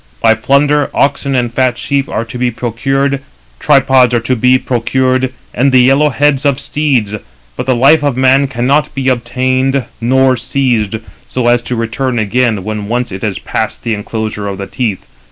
313 By plunder, oxen and fat sheep are to be procured, tripods are to be procured, and the yellow heads of steeds; but the life of man cannot be obtained nor seized, so as to return again, when once it has passed the enclosure of the teeth.